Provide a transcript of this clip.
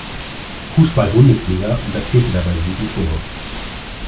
Fußball-Bundesliga und erzielte dabei sieben Tore.